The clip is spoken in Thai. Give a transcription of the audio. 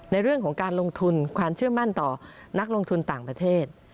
ในเรื่องของการลงทุนความเชื่อมั่นต่อนักลงทุนต่างประเทศ